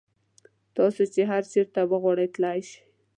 تاسو چې هر چېرته وغواړئ تللی شئ.